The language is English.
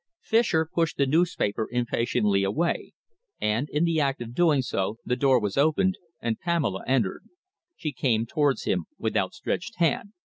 Fischer pushed the newspaper impatiently away, and, in the act of doing so, the door was opened and Pamela entered. She came towards him with outstretched hand.